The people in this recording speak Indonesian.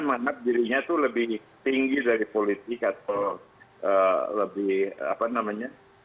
dia tidak pernah menganggap dirinya tuh lebih tinggi dari politik atau lebih apa namanya